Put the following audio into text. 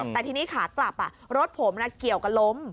แต่ทีนี้ขากลับรถผมเกี่ยวกับล้ม